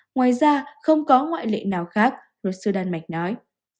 ngoài ra không có ngoại lệ nào khác luật sư đan mạch nói